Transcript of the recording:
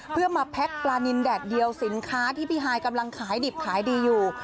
เพื่อมาแพ็คปลานินแดดเดียวสินค้าที่พี่ฮายกำลังขายดิบขายดีอยู่